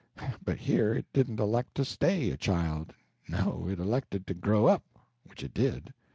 But here it didn't elect to stay a child. No, it elected to grow up, which it did.